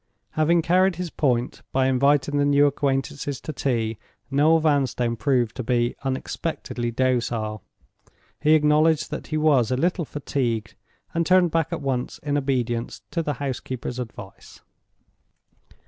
Having carried his point by inviting the new acquaintances to tea, Noel Vanstone proved to be unexpectedly docile. He acknowledged that he was a little fatigued, and turned back at once in obedience to the housekeeper's advice.